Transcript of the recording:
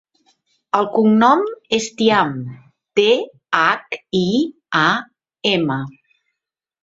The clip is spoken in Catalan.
El cognom és Thiam: te, hac, i, a, ema.